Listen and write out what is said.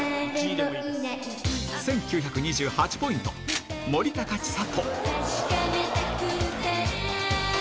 １９２８ポイント、森高千里。